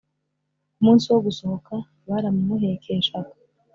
ku munsi wo gusohoka baramumuhekeshaga